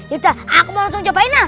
ya udah aku langsung cobain